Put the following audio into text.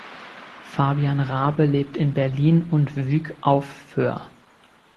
Fabian Raabe lebt in Berlin und Wyk auf Föhr.